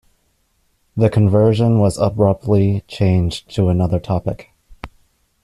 The conversion was abruptly changed to another topic.